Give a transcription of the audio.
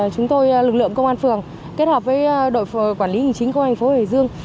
chúng tôi lực lượng công an phường kết hợp với đội quản lý hình chính công an thành phố hải dương